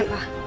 bentar ya pak